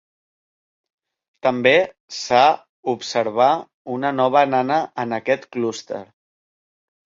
També s'ha observar una nova nana en aquest clúster.